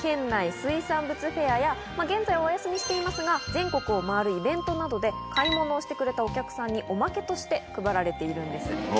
水産物フェアや、現在はお休みしていますが、全国を回るイベントなどで、買い物をしてくれたお客さんにおまけとして配られているんです。